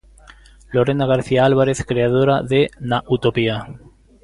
Lorena García Álvarez, creadora de 'Na utopía'.